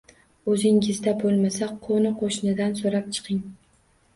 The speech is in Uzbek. O`zingizda bo`lmasa, qo`ni-qo`shnidan so`rab chiqing